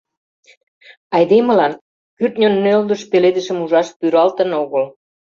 — Айдемылан кӱртньынӧлдыш пеледышым ужаш пӱралтын огыл.